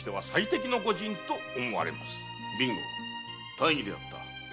大儀であった。